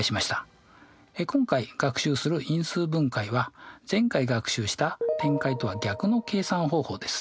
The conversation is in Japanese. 今回学習する因数分解は前回学習した展開とは逆の計算方法です。